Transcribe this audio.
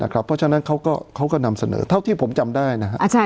เพราะฉะนั้นเขาก็นำเสนอเท่าที่ผมจำได้นะครับ